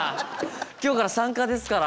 今日から参加ですから。